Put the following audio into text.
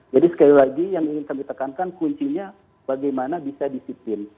jadi sekali lagi yang ingin kami tekankan kuncinya bagaimana bisa disiplin